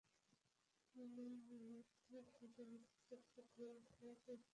মৃন্ময়ী করুণস্বরে আরও কিছু দিন সময় প্রার্থনা করিল।